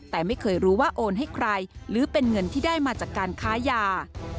แต่ไม่เคยรู้ว่าโอนให้ใครหรือเป็นเงินที่ได้มาจากการค้ายา